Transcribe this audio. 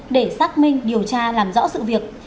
để xác minh điều tra làm rõ sự việc